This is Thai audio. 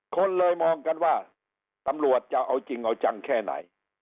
คนเลยมองกันว่าตำรวจจะเอาจริงเอาจังแค่ไหน